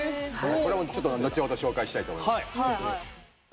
これもちょっと後ほど紹介したいと思います。